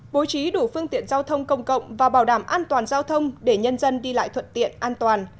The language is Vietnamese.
bố trí đủ phương tiện giao thông công cộng và bảo đảm an toàn giao thông để nhân dân đi lại thuận tiện an toàn